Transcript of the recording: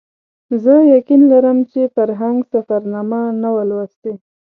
زه یقین لرم چې فرهنګ سفرنامه نه وه لوستې.